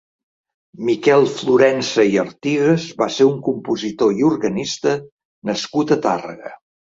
Miquel Florensa i Artigues va ser un compositor i organista nascut a Tàrrega.